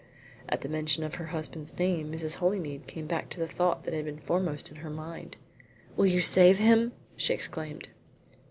At the mention of her husband's name Mrs. Holymead came back to the thought that had been foremost in her mind. "Will you save him?" she exclaimed.